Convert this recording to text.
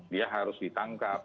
dia harus ditangkap